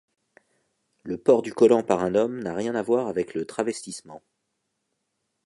Le port du collant par un homme n'a rien à voir avec le travestissement.